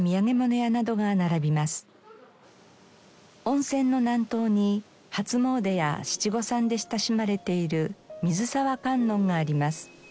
温泉の南東に初詣や七五三で親しまれている水澤観音があります。